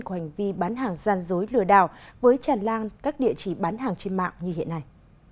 của hành vi bán hàng gian dối lừa đảo với tràn lan các địa chỉ bán hàng trên mạng như hiện nay